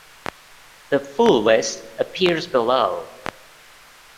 The full list appears below.